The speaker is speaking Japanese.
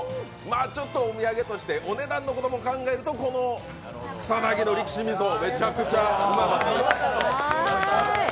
あちょっとお土産としてお値段のことも考えるとこの草薙の力士味噌めちゃくちゃうまかったです。